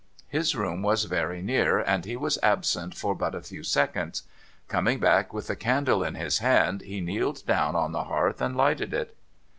His room was very near, and he was absent for but a few seconds. Coming back with the candle in his hand, he kneeled down on the hearth and lighted it.